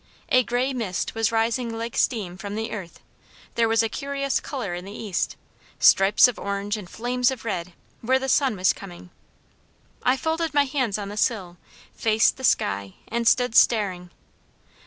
A gray mist was rising like steam from the earth, there was a curious colour in the east, stripes of orange and flames of red, where the sun was coming. I folded my hands on the sill, faced the sky, and stood staring.